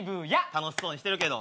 楽しそうにしてるけど。